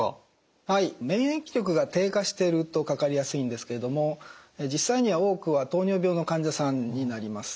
免疫力が低下しているとかかりやすいんですけれども実際には多くは糖尿病の患者さんになります。